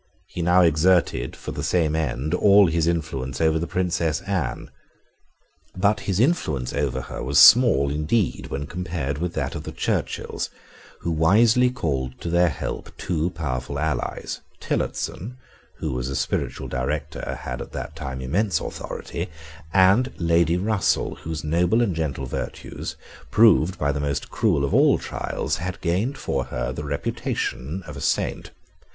He now exerted, for the same end, all his influence over the Princess Anne. But his influence over her was small indeed when compared with that of the Churchills, who wisely called to their help two powerful allies, Tillotson, who, as a spiritual director, had, at that time, immense authority, and Lady Russell, whose noble and gentle virtues, proved by the most cruel of all trials, had gained for her the reputation of a saint.